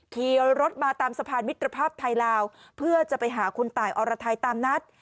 ขี่รถมาตามสะพานมิตรภาพไทยลาวเพื่อจะไปหาคุณตายอรไทยตามนัด